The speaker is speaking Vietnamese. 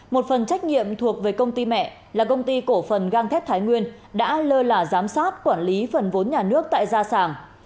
một phần trách nhiệm thuộc về công ty mẹ là công ty cổ phần gang thép thái nguyên đã lơ là giám sát quản lý phần vốn nhà nước tại gia sàng